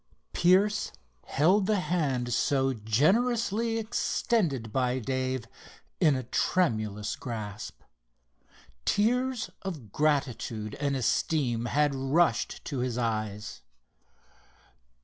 Pierce held the hand so generously extended by Dave in a tremulous grasp. Tears of gratitude and esteem had rushed to his eyes.